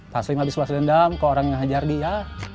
taslim abis berhasil dendam ke orang yang hajar dia